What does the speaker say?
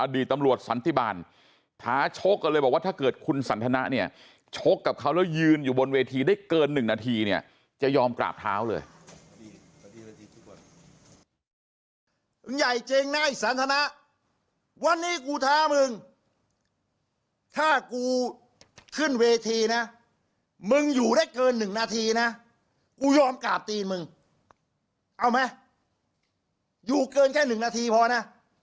อดีตตำรวจสันทิบาลท้าชกกันเลยบอกว่าถ้าเกิดคุณสันทนะเนี้ยชกกับเขาแล้วยืนอยู่บนเวทีได้เกินหนึ่งนาทีเนี้ยจะยอมกราบเท้าเลยสันทนะวันนี้กูท้ามึงถ้ากูขึ้นเวทีนะมึงอยู่ได้เกินหนึ่งนาทีนะกูยอมกราบตีนมึงเอาไหมอยู่เกินแค่หนึ่งนาทีพอนะ